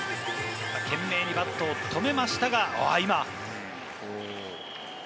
懸命にバットを止めましたが、あっ、今。